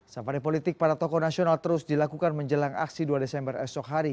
safari politik para tokoh nasional terus dilakukan menjelang aksi dua desember esok hari